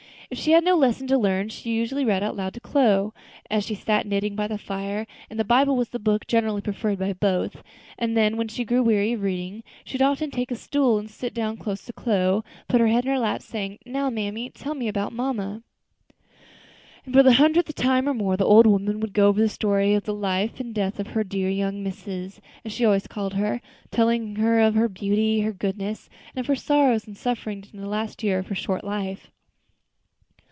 If she had no lesson to learn, she usually read aloud to Chloe, as she sat knitting by the fire, and the Bible was the book generally preferred by both; and then when she grew weary of reading, she would often take a stool, and sitting down close to Chloe, put her head in her lap, saying, "Now, mammy, tell me about mamma." And then for the hundredth time or more the old woman would go over the story of the life and death of her "dear young missus," as she always called her; telling of her beauty, her goodness, and of her sorrows and sufferings during the last year of her short life.